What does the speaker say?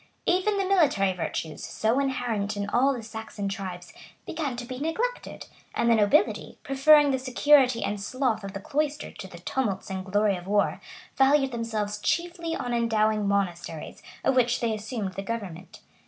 [] Even the military virtues, so inherent in all the Saxon tribes, began to be neglected; and the nobility, preferring the security and sloth of the cloister to the tumults and glory of war, valued themselves chiefly on endowing monasteries, of which they assumed the government.